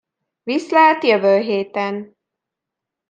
Viszlát jövő héten.